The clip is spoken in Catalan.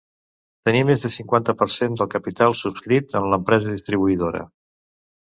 Tenir més del cinquanta per cent del capital subscrit en l'empresa distribuïdora.